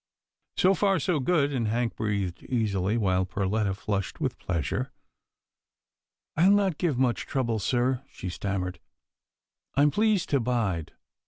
So far, so good, and Hank breathed easily, while Perletta flushed with pleasure. " I'll not give much trouble, sir," she stammered, " I'm pleased to bide.